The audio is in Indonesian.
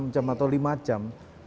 enam jam atau lima jam